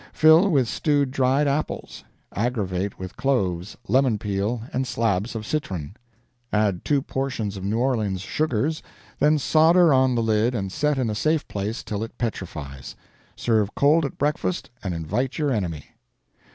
Fill with stewed dried apples; aggravate with cloves, lemon peel, and slabs of citron; add two portions of New Orleans sugars, then solder on the lid and set in a safe place till it petrifies. Serve cold at breakfast and invite your enemy.